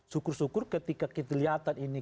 syukur syukur ketika kita lihat ini